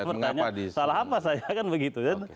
ada pertanyaan salah apa saya kan begitu kan